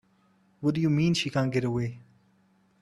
What do you mean she can't get away?